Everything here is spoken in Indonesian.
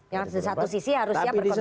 yang di satu sisi harus siap berkontestasi